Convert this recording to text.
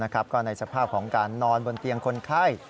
ก็ในสภาพของการนอนบนเตียงคนไข้